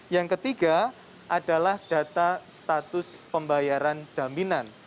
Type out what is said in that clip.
yang ketiga adalah data status pembayaran jaminan